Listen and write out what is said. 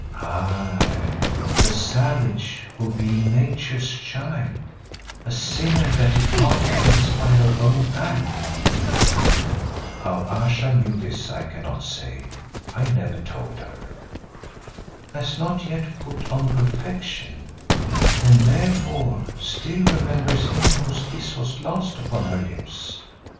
"Aye, the savage, who being Nature's child, a sinner that departed hence by her own act" (how Ayesha knew this I cannot say, I never told her), "has not yet put on perfection and therefore still remembers him whose kiss was last upon her lips.